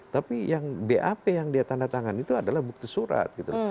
tapi yang bap yang dia tanda tangan itu adalah bukti surat gitu